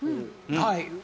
はい。